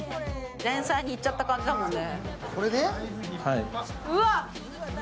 前菜にいっちゃった感じだもんね。